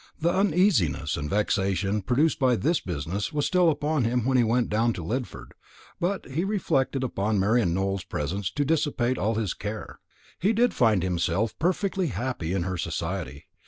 The uneasiness and vexation produced by this business was still upon him when he went down to Lidford; but he relied upon Marian Nowell's presence to dissipate all his care. He did find himself perfectly happy in her society.